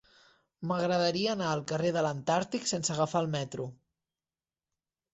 M'agradaria anar al carrer de l'Antàrtic sense agafar el metro.